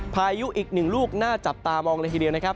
พายุอีกหนึ่งลูกน่าจับตามองเลยทีเดียวนะครับ